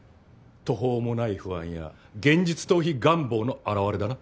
途方もない不安や現実逃避願望の表れだな。